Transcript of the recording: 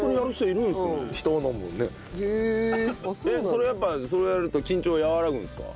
それやっぱそれやると緊張和らぐんですか？